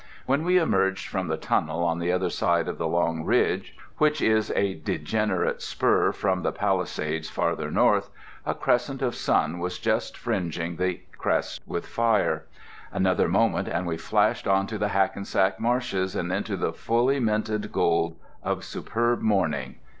When we emerged from the tunnel on the other side of the long ridge (which is a degenerate spur from the Palisades farther north) a crescent of sun was just fringing the crest with fire. Another moment and we flashed onto the Hackensack marshes and into the fully minted gold of superb morning.